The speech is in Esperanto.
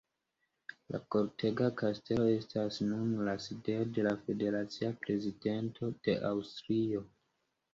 La Kortega Kastelo estas nun la sidejo de la federacia prezidento de Aŭstrio.